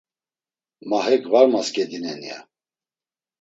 Ma hek var maskedinen ya.